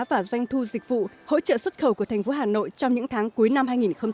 và doanh thu dịch vụ hỗ trợ xuất khẩu của thành phố hà nội trong những tháng cuối năm hai nghìn hai mươi